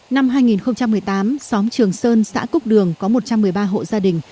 năm hai nghìn một mươi tám xóm trường sơn xã cúc đường có một trăm một mươi ba hộ gia đình